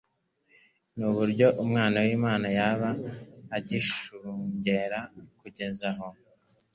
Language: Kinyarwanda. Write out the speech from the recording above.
n'uburyo Umwana w'Imana yaba igishungero kugeza aho.